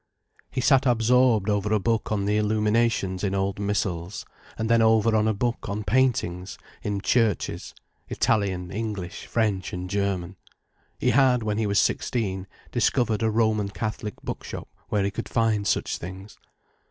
He sat absorbed over a book on the illuminations in old missals, and then over a book on paintings in churches: Italian, English, French and German. He had, when he was sixteen, discovered a Roman Catholic bookshop where he could find such things.